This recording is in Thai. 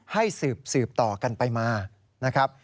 ให้สืบต่อกันไปมานะครับ